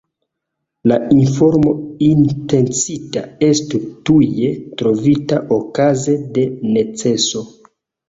La informo intencita estu tuje trovita okaze de neceso.